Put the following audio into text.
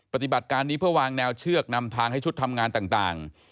ปฏิบัติการนี้เพื่อวางแนวเชือกนำทางให้ชุดทำงานต่าง